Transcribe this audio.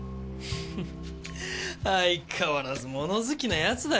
フッ相変わらず物好きな奴だよ。